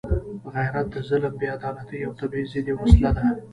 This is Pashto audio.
غیرت د ظلم، بېعدالتۍ او تبعیض ضد یوه وسله ده.